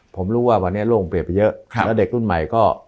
ผมรู้ว่าวันนี้โลกเปลี่ยนไปเยอะแล้วเด็กรุ่นใหม่ก็